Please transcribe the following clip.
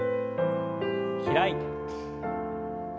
開いて。